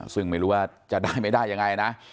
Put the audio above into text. ซึ่งไม่รู้ว่าจะได้ไม่ได้ยังไงนะ